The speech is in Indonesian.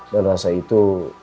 dan rasa itu